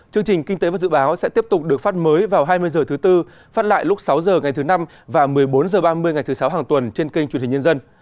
chương trình kinh tế và dự báo sẽ tiếp tục được phát mới vào hai mươi h thứ tư phát lại lúc sáu h ngày thứ năm và một mươi bốn h ba mươi ngày thứ sáu hàng tuần trên kênh truyền hình nhân dân